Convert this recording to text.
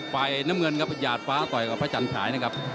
ฝ่ายน้ำเงินครับหยาดฟ้าต่อยกับพระจันฉายนะครับ